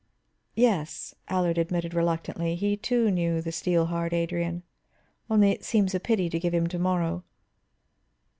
"Yes," Allard admitted reluctantly, he too knew the steel hard Adrian. "Only, it seems a pity to give him to morrow."